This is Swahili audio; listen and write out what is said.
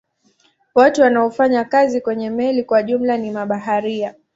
Watu wanaofanya kazi kwenye meli kwa jumla ni mabaharia.